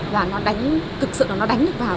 và nó đánh thực sự nó đánh vào